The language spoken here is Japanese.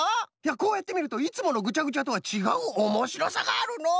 こうやってみるといつものぐちゃぐちゃとはちがうおもしろさがあるのう。